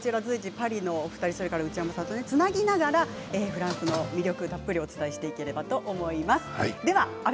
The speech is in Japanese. パリの２人、それから内山さんとつなぎながらフランスの魅力をたっぷりお伝えしていければと思います。